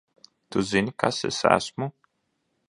Tu zini, kas es esmu?